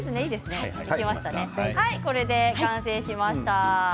これで完成しました。